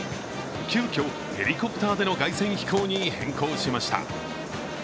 急きょ、ヘリコプターでの凱旋飛行に変更しました。